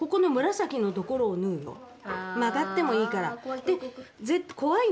曲がってもいいから。